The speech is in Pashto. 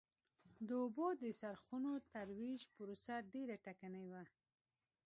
د اوبو د څرخونو ترویج پروسه ډېره ټکنۍ وه.